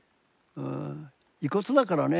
遺骨だからね。